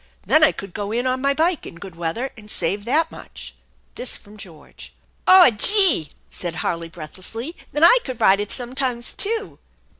Then I could go in on my bike in good weather, and save that much." This from George. " Oh, gee !" said Harley breathlessly. " Then I could ride it sometimes, too."